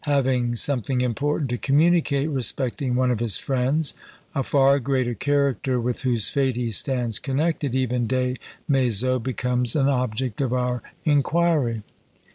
Having something important to communicate respecting one of his friends, a far greater character, with whose fate he stands connected, even Des Maizeaux becomes an object of our inquiry.